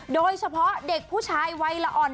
โดยเฉพาะเด็กผู้ชายวัยละอ่อน